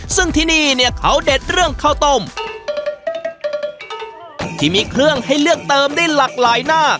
ซึ่งที่นี่เนี่ยเขาเด็ดเรื่องข้าวต้มที่มีเครื่องให้เลือกเติมได้หลากหลายหน้า